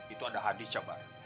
itu ada hadis ya bar